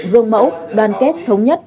gương mẫu đoàn kết thống nhất